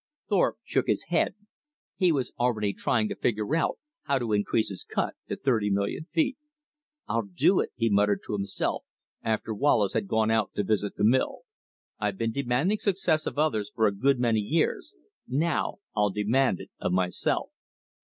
Thorpe shook his head. He was already trying to figure how to increase his cut to thirty million feet. "I'll do it," he muttered to himself, after Wallace had gone out to visit the mill. "I've been demanding success of others for a good many years; now I'll demand it of myself."